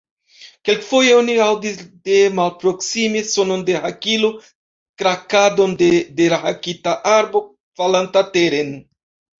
Kelkfoje oni aŭdis de malproksime sonon de hakilo, krakadon de dehakita arbo, falanta teren.